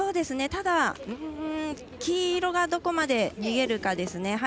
ただ、黄色がどこまで逃げるかですね。